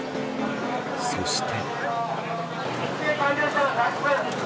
そして。